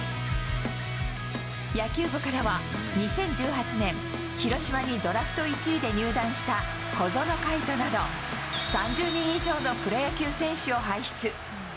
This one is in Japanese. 野球部からは２０１８年、広島にドラフト１位で入団した小園海斗など、３０人以上のプロ野球選手を輩出。